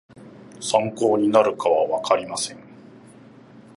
参考になるかはわかりません